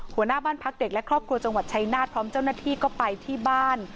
หัวหน้าบ้านพักเด็กและครอบครัวจังหวัดชายนาฏพร้อมเจ้าหน้าที่ก็ไปที่บ้าน